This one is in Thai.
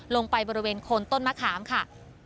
ลงไปบริเวณโคนต้นมะขามค่ะ